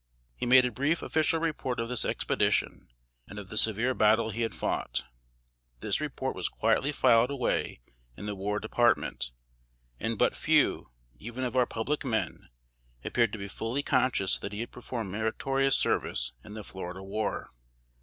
He made a brief official report of this expedition, and of the severe battle he had fought. This report was quietly filed away in the War Department, and but few, even of our public men, appeared to be fully conscious that he had performed meritorious service in the Florida war.